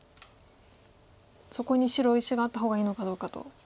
そこに白石があった方がいいのかどうかと。